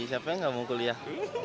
siapa yang gak mau kuliah